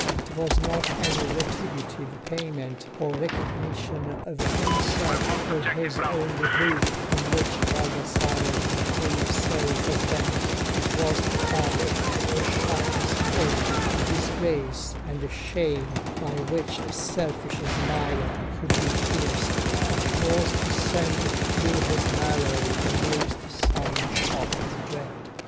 It was not any retributive payment or recognition of himself for his own behoof, on which Baldassarre's whole soul was bent: it was to find the sharpest edge of disgrace and shame by which a selfish smiler could be pierced; it was to send through his marrow the most sudden shock of dread.